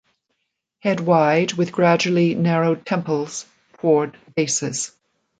Head wide with gradually narrowed temples toward bases.